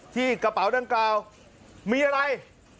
ที่กระเป๋าด้านกล้าวมีอะไร